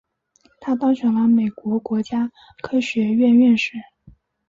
他当选了美国国家科学院院士。